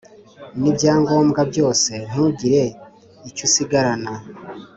nibyangombwa byose ntugire icyusigarana."